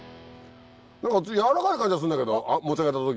何か軟らかい感じがするんだけど持ち上げた時。